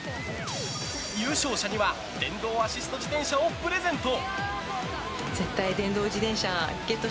優勝者には電動アシスト自転車をプレゼント！